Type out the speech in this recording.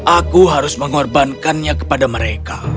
aku harus mengorbankannya kepada mereka